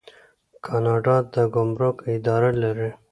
کاناډا د ګمرک اداره لري.